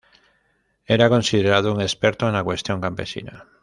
Era considerado un experto en la cuestión campesina.